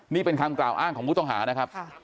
นี่เป็นคำกล่าวอ้างของผู้ต้องหานะครับ